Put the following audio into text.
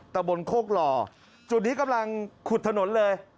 ตะบนโคกหล่อจุดนี้กำลังขุดถนนเลย